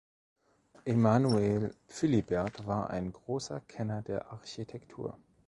Emmanuel Philibert war ein großer Kenner der Architektur.